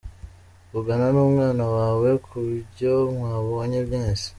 Vugana numwana wawe ku byo mwabonye mwese.